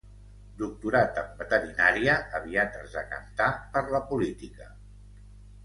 Doctorat en veterinària, aviat es decantà per la política.